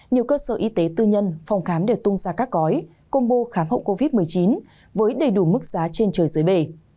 nhiều cơ sở y tế tư nhân phòng khám để tung ra các gói combo khám hậu covid một mươi chín với đầy đủ mức giá trên trời dưới bể